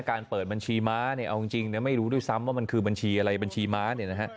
การเปิดบัญชีม้าเนี่ยเอาจริงไม่รู้ด้วยซ้ำว่ามันคือบัญชีอะไรบัญชีม้าเนี่ยนะฮะ